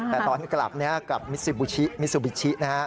แต่ตอนกลับกับมิซิบูชิ